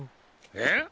えっ？